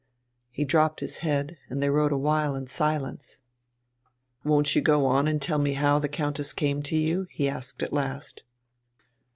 He dropped his head, and they rode a while in silence. "Won't you go on to tell me how the Countess came to you?" he asked at last.